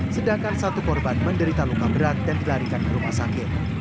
sedangkan satu korban menderita luka berat dan dilarikan ke rumah sakit